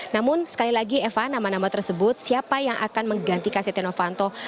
namun sekali lagi eva nama nama tersebut siapa yang akan menggantikan setia novanto